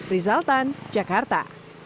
rizal tan jakarta